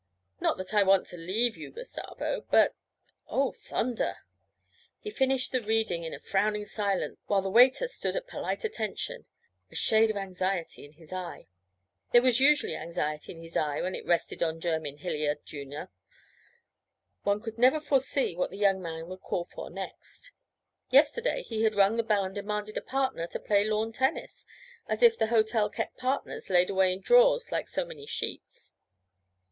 Not that I want to leave you, Gustavo, but Oh thunder!' He finished the reading in a frowning silence while the waiter stood at polite attention, a shade of anxiety in his eye there was usually anxiety in his eye when it rested on Jerymn Hilliard, Jr. One could never foresee what the young man would call for next. Yesterday he had rung the bell and demanded a partner to play lawn tennis, as if the hotel kept partners laid away in drawers like so many sheets.